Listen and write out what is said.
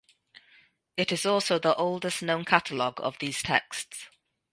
It is also the oldest known catalogue of these texts.